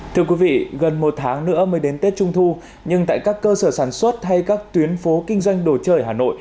thưa quý vị gần một tháng nữa mới đến tết trung thu nhưng tại các cơ sở sản xuất hay các tuyến phố kinh doanh đồ chơi ở hà nội